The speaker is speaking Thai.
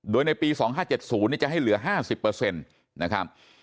โดยในปี๒๕๗๐จะให้เหลือ๕๐นะครับ